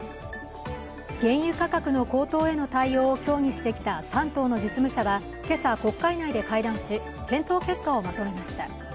原油価格の高騰への対応を協議してきた３党の実務者は今朝、国会内で会談し、検討結果をまとめました。